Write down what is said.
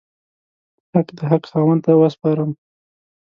حق د حق خاوند ته وسپارم.